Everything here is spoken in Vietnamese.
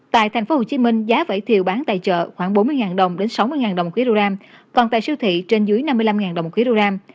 tại tp hcm giá vải thiều bán tài trợ khoảng bốn mươi đồng đến sáu mươi đồng một kg còn tại siêu thị trên dưới năm mươi năm đồng một kg